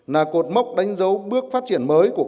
là cột mốc đánh dấu bước phát triển mới của cách mạng